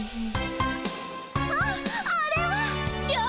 あっあれは。